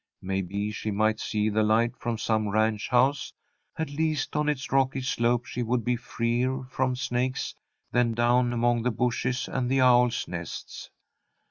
Maybe she might see the light from some ranch house. At least on its rocky slope she would be freer from snakes than down among the bushes and the owls' nests.